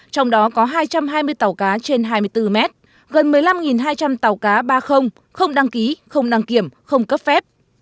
trong đó có hai trăm hai mươi tàu cá trên hai mươi bốn mét gần một mươi năm hai trăm linh tàu cá ba không đăng ký không đăng kiểm không cấp phép